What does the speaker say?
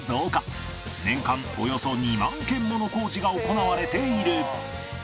年間およそ２万件もの工事が行われている